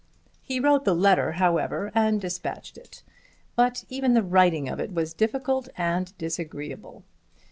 He wrote the letter, however, and dispatched it. But even the writing of it was difficult and disagreeable.